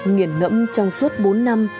nghiện ngẫm trong suốt bốn năm